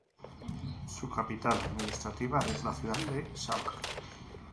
Su capital administrativa es la ciudad de Šabac.